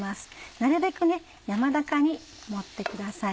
なるべく山高に盛ってください。